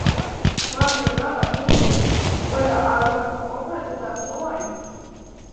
მაგრამ რაღაც მომენტში ყველა ავადმყოფობამ დასტოვა იგი.